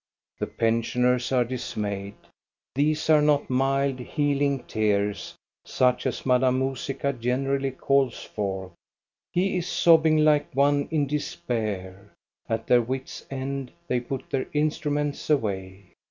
The pensioners are dismayed. These are not mild, heaUng tears, such as Madame Musica generally calls forth. He is sobbing like one in despair. At their wits' end they put their instru ments away.